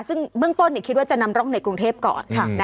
ซึ่งเบื้องต้นคิดว่าจะนำร่องในกรุงเทพก่อน